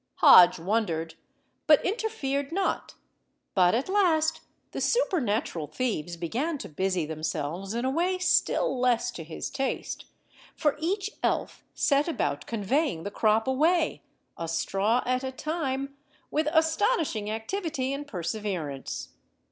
Hodge wondered, but interfered not, but at last the supernatural thieves began to busy themselves in a way still less to his taste, for each elf set about conveying the crop away, a straw at a time, with astonishing activity and perseverance.